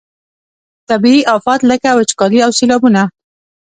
طبیعي آفات لکه وچکالي او سیلابونه.